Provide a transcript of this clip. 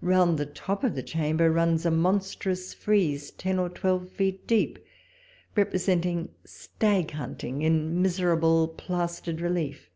Round the top of the chamber runs a monstrous frieze, ten or twelve feet deep, repre senting stag hunting in miserable plastered relief.